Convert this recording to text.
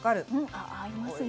あ合いますね。